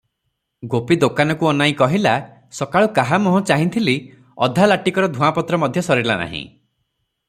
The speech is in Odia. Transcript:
ଗୋପୀ ଦୋକାନକୁ ଅନାଇ କହିଲା, "ସକାଳୁ କାହା ମୁହଁ ଚାହିଁଥିଲି, ଅଧାଲାଟିକର ଧୂଆଁପତ୍ର ମଧ୍ୟ ସରିଲା ନାହିଁ ।"